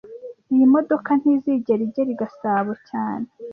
Iyi modoka ntizigera igera i Gasabo cyane